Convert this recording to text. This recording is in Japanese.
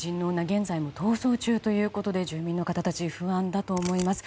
現在も逃走中ということで住民の方たち不安だと思います。